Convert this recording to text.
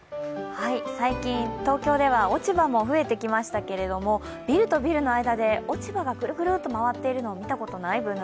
最近、東京では落ち葉も増えてきましたけれどもビルとビルの間で落ち葉がグルグルと回っているのを見たことない？